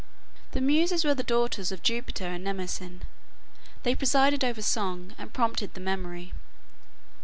The Muses were the daughters of Jupiter and Mnemosyne (Memory). They presided over song, and prompted the memory.